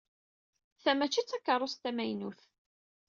Ta mačči d takeṛṛust tamaynut.